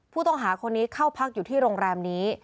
ผู้ต้องหาคนนี้เข้าพักอยู่ที่โรงแรมนี้